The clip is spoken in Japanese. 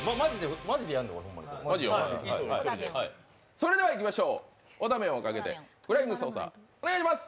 それではいきましょう、おだみょんをかけて、フライングソーサーお願いします！